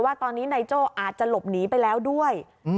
ว่าตอนนี้นายโจ้อาจจะหลบหนีไปแล้วด้วย